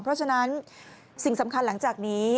เพราะฉะนั้นสิ่งสำคัญหลังจากนี้